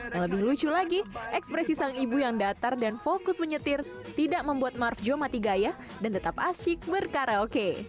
yang lebih lucu lagi ekspresi sang ibu yang datar dan fokus menyetir tidak membuat marvjo mati gaya dan tetap asyik berkaraoke